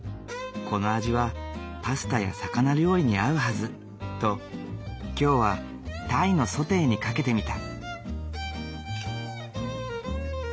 この味はパスタや魚料理に合うはずと今日は鯛のソテーにかけてみた。